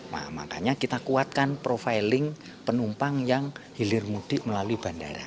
nah makanya kita kuatkan profiling penumpang yang hilir mudik melalui bandara